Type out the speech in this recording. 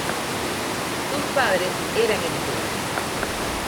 Sus padres eran editores.